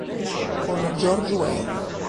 Con George Wein